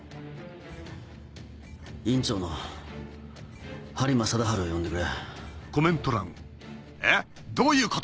院長の播磨貞治を呼んでくれ。